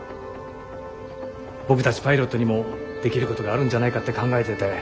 僕たちパイロットにもできることがあるんじゃないかって考えてて。